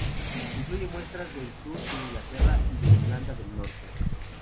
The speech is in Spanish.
Incluye muestras del sur de Inglaterra y de Irlanda del Norte.